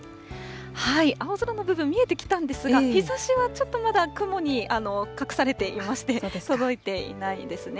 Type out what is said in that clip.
青空の部分、見えてきたんですが、日ざしはちょっとまだ雲に隠されていまして、届いていないんですね。